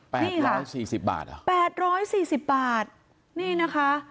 ๘๔๐บาทเหรอ๘๔๐บาทนี่นะคะ